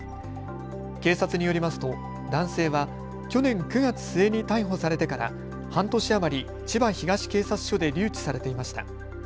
警察によりますと男性は去年９月末に逮捕されてから半年余り千葉東警察署で留置されていました。